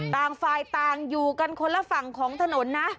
ต่างฝ่ายต่างอยู่กันคนละฝั่งของถนนนะ